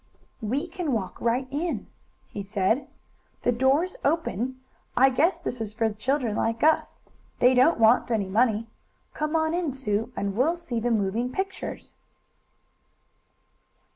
"We can walk right in," he said. "The door is open. I guess this is for children like us they don't want any money. Come on in, Sue, and we'll see the moving pictures!"